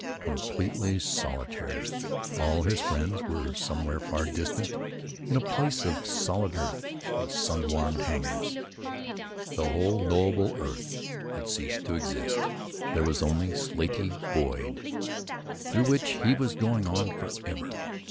Completely solitary. All his friends were somewhere far distant, in a place of solid earth and sun warmed hangars. The whole knowable earth had ceased to exist. There was only slatey void, through which he was going on for ever.